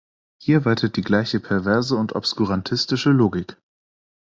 Hier waltet die gleiche perverse und obskurantistische Logik.